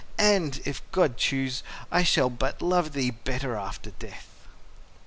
—and, if God choose, I shall but love thee better after death.